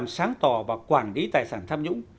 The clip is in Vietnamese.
sáng tỏ và quản lý tài sản tham nhũng